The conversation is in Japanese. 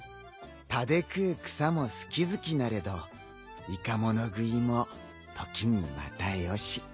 タデ食う草も好き好きなれどいかもの食いも時にまたよし。